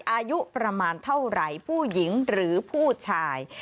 อายุประมาณเท่าไหร่ผู้หญิงหรือผู้ชาย